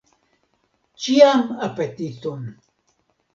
Ĉiam apetiton!